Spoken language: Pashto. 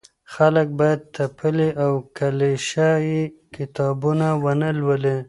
خلګ بايد تپلي او کليشه يي کتابونه ونه لولي.